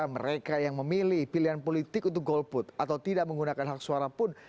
mereka yang memilih pilihan politik untuk golput atau tidak menggunakan hak suara pun